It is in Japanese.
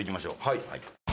はい。